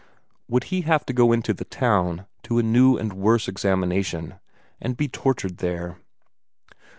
Would he have to go in to the town, to a new and worse examination, and be tortured there?